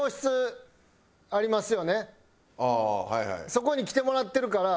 そこに来てもらってるから。